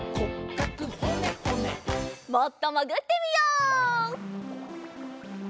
もっともぐってみよう。